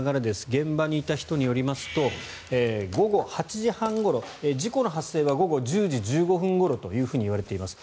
現場にいた人によりますと午後８時半ごろ事故の発生は午後１０時１５分ごろといわれています。